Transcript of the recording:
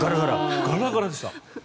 ガラガラでした。